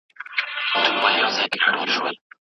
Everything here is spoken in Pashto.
چي په اهاړ کي مي سوځلي وي د پلونو نښي